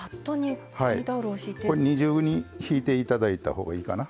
これ二重にひいていただいた方がいいかな。